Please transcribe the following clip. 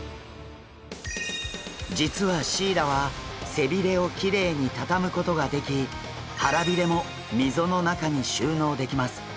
実はシイラは背鰭をきれいに畳むことができ腹鰭も溝の中に収納できます。